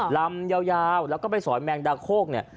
ลำยาวแล้วก็ไปสอนแมงดาโคกเนี่ย